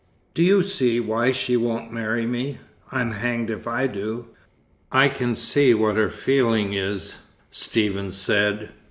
Do you see why she won't marry me? I'm hanged if I do." "I can see what her feeling is," Stephen said.